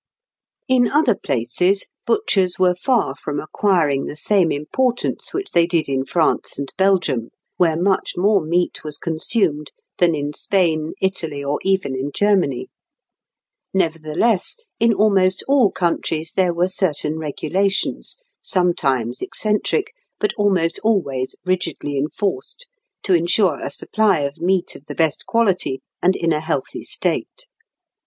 In other places butchers were far from acquiring the same importance which they did in France and Belgium (Figs. 90 and 91), where much more meat was consumed than in Spain, Italy, or even in Germany. Nevertheless, in almost all countries there were certain regulations, sometimes eccentric, but almost always rigidly enforced, to ensure a supply of meat of the best quality and in a healthy state.